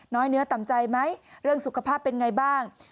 น้อยเนื้อต่ำใจไหมเรื่องสุขภาพเป็นไงบ้าง